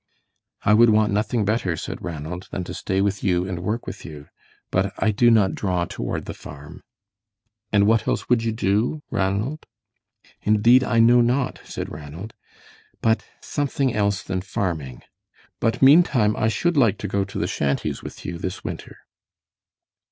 "I would want nothing better," said Ranald, "than to stay with you and work with you, but I do not draw toward the farm." "And what else would you do, Ranald?" "Indeed, I know not," said Ranald, "but something else than farming. But meantime I should like to go to the shanties with you this winter."